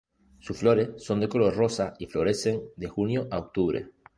Sus flores son de color rosa y florecen de junio a octubre.